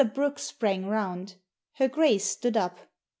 Brooke sprang round. Her Grace stood up.